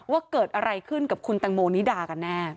ว่าเกิดอะไรขึ้นกับคุณแตงโมนิดากันแน่